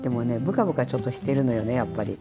ぶかぶかちょっとしてるのよねやっぱり。